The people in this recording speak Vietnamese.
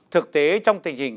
thực tế trong tình hình